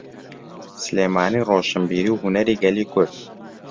سلێمانی ڕۆشنبیری و هونەری گەلی کورد.